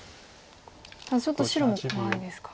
ただちょっと白も怖いですか。